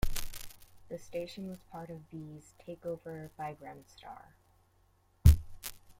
The station was part of V's takeover by Remstar.